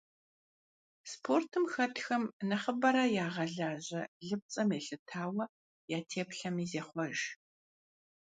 Спортым хэтхэм нэхъыбэрэ ягъэлажьэ лыпцӏэм елъытауэ я теплъэми зехъуэж.